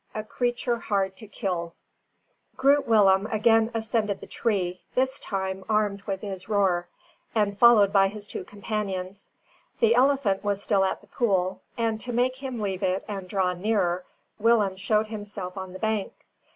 A CREATURE HARD TO KILL. Groot Willem again ascended the tree, this time armed with his roer, and followed by his two companions. The elephant was still at the pool; and, to make him leave it and draw nearer, Willem showed himself on the bank.